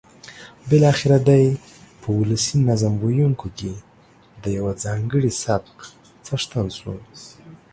بالاخره دی په ولسي نظم ویونکیو کې د یوه ځانګړي سبک څښتن شو.